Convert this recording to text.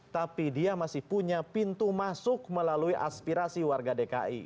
tapi dia masih punya pintu masuk melalui aspirasi warga dki